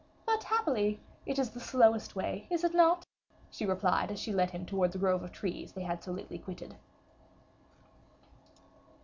"But, happily, it is the slowest way, is it not?" she replied, as she led him towards the grove of trees they had so lately quitted.